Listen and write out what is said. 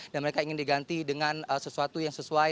dan mereka ingin diganti dengan sesuatu yang sesuai